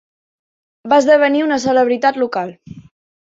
Va esdevenir una celebritat local.